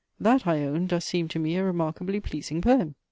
that, I own, does seem to me a remarkably pleasing poem."